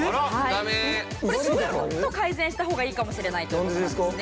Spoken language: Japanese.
これちょっと改善した方がいいかもしれないという事なんですね。